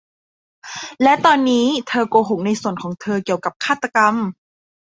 และตอนนี้เธอโกหกในส่วนของเธอเกี่ยวกับฆาตกรรม